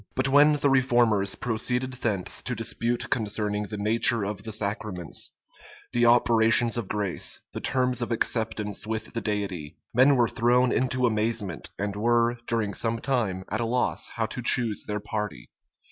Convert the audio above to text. But when the reformers proceeded thence to dispute concerning the nature of the sacraments, the operations of grace, the terms of acceptance with the Deity, men were thrown into amazement, and were, during some time, at a loss how to choose their party.